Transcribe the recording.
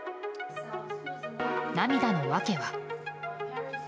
涙の訳は。